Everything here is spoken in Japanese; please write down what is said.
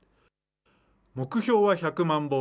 目標は１００万本。